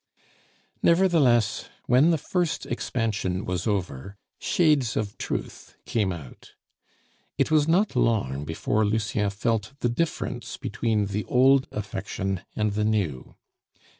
Nevertheless, when the first expansion was over, shades of truth came out. It was not long before Lucien felt the difference between the old affection and the new.